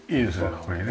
ここにね